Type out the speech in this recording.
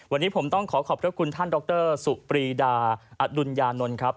วันนี้ผมต้องขอขอบพระคุณท่านดรสุปรีดาอดุญญานนท์ครับ